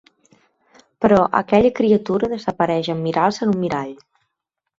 Però aquella criatura desapareix en mirar-se en un mirall.